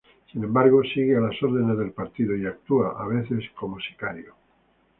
Sin embargo, sigue a las órdenes del partido, y actúa, a veces, como sicario.